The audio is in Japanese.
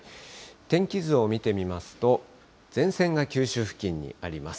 天気図を見てみますと、前線が九州付近にあります。